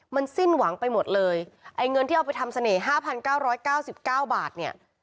มันสิ้นหวังไปหมดเลยไอ้เงินที่เอาไปทำเสน่ห๕๙๙๙บาทเนี่ย